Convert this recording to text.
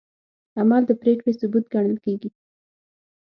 عمل د پرېکړې ثبوت ګڼل کېږي.